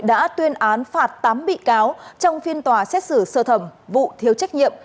đã tuyên án phạt tám bị cáo trong phiên tòa xét xử sơ thẩm vụ thiếu trách nhiệm